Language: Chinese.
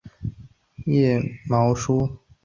腺毛疏花穿心莲为爵床科穿心莲属下的一个变种。